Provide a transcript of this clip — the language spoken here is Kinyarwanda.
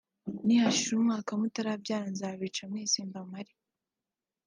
nihashira umwaka mutarabyara nzabica mwese mbamare”